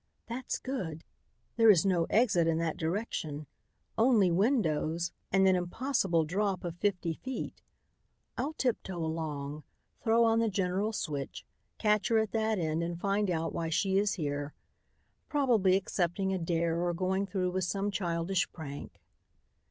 "That's good. There is no exit in that direction, only windows and an impossible drop of fifty feet. I'll tiptoe along, throw on the general switch, catch her at that end and find out why she is here. Probably accepting a dare or going through with some childish prank."